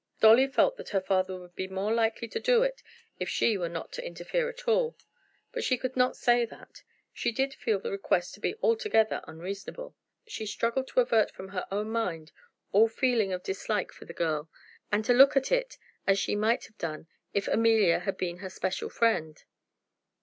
Dolly felt that her father would be more likely to do it if she were not to interfere at all; but she could not say that. She did feel the request to be altogether unreasonable. She struggled to avert from her own mind all feeling of dislike for the girl, and to look at it as she might have done if Amelia had been her special friend.